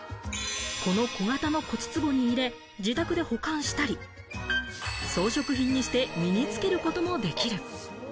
この小型の骨壺に入れ、自宅で保管したり、装飾品にして身につけることもできる。